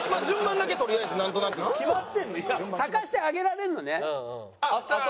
咲かせてあげられるのね？